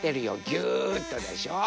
ぎゅっとでしょ。